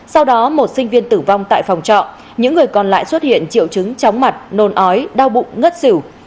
sau đó một sinh viên tử vong tại phòng trọ những người còn lại xuất hiện triệu chứng chóng mặt nôn ói đau bụng ngất xỉu